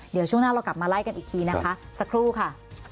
เดี๋ยวช่วงหน้าเรากลับมาไล่กันอีกทีนะคะสักครู่ค่ะ